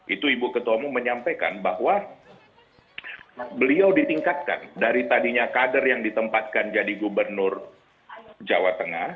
itu ibu ketua umum menyampaikan bahwa beliau ditingkatkan dari tadinya kader yang ditempatkan jadi gubernur jawa tengah